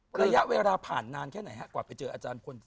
ระยะเวลาผ่านนานแค่ไหนฮะกว่าไปเจออาจารย์คนที่